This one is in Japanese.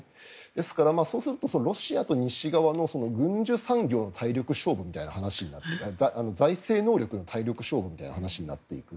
ですから、そうするとロシアと西側の軍需産業の体力勝負みたいな財政能力の体力勝負みたいな話になっていく。